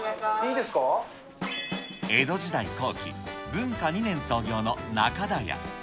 江戸時代後期、文化２年創業の中田屋。